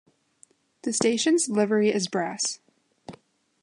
The station's livery is brass.